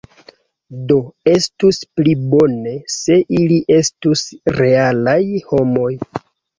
Do estus pli bone se ili estus realaj homoj.